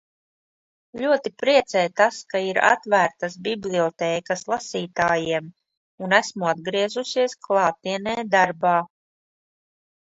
Ļoti priecē tas, ka ir atvērtas bibliotēkas lasītājiem un esmu atgriezusies klātienē darbā.